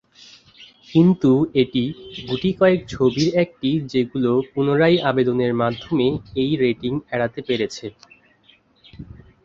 কিন্তু এটি গুটিকয়েক ছবির একটি যেগুলো পুনরায় আবেদনের মাধ্যমে এই রেটিং এড়াতে পেরেছে।